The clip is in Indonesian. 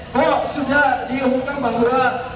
kok sudah dihukum bahwa